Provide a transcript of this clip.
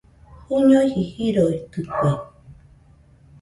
Juñoiji joroitɨkue.